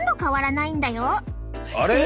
あれ。